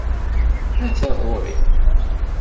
Ata ɣur-i!